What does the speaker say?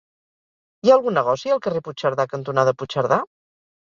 Hi ha algun negoci al carrer Puigcerdà cantonada Puigcerdà?